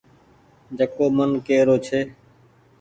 جڪو مين ڪي رو ڇون۔